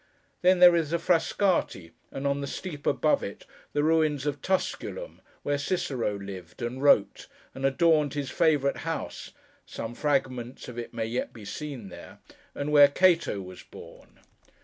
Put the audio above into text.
Then, there is Frascati, and, on the steep above it, the ruins of Tusculum, where Cicero lived, and wrote, and adorned his favourite house (some fragments of it may yet be seen there), and where Cato was born.